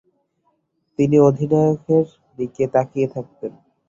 তিনি অধিনায়কের দিকে তাকিয়ে থাকতেন।